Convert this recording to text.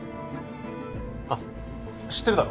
あっ知ってるだろ？